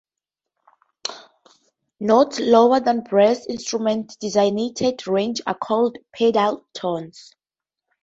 Notes lower than the brass instrument's designated range are called pedal tones.